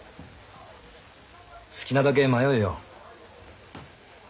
好きなだけ迷えよ。